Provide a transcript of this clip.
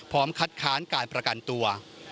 พร้อมคัดค้านการประกันตัว